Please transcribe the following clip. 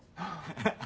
ハハハ。